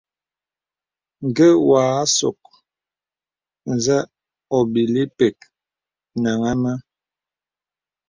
Ngé wà àsôk nzə óbīlí pə́k nàŋha mə.